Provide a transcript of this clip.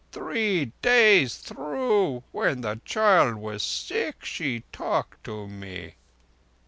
Three days through, when the child was sick, she talked to me."